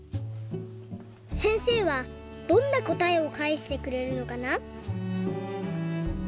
せんせいはどんなこたえをかえしてくれるのかな？